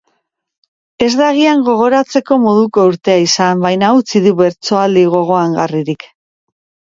Ez da agian gogoratzeko moduko urtea izan, baina utzi du bertsoaldi gogoangarririk.